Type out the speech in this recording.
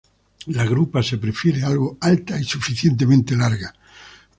La grupa se prefiere algo alta y suficientemente larga.